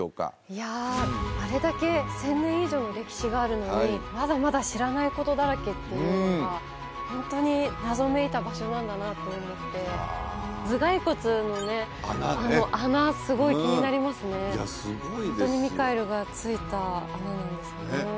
いやああれだけ１０００年以上歴史があるのにまだまだ知らないことだらけっていうのがホントに謎めいた場所なんだなと思って頭蓋骨のね穴ねあの穴すごい気になりますねいやすごいですホントにミカエルが突いた穴なんですかね？